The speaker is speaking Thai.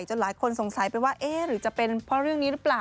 หลายคนสงสัยไปว่าเอ๊ะหรือจะเป็นเพราะเรื่องนี้หรือเปล่า